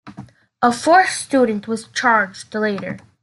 A fourth student was charged later.